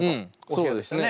そうですね。